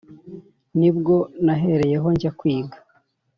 ni bwo nahereyeho njya kwiga.